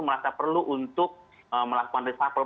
merasa perlu untuk melakukan reshuffle